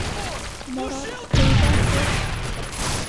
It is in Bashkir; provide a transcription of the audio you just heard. Морат, әйҙә, тот!